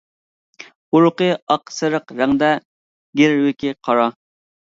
ئۇرۇقى ئاق سېرىق رەڭدە، گىرۋىكى قارا.